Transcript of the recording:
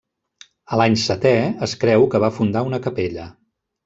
A l'any setè, es creu que va fundar una capella.